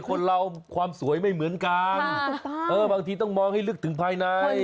คนเราความสวยไม่เหมือนกันบางทีต้องมองให้ลึกถึงภายใน